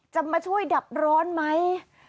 จะมาช่วยดับร้อนไหม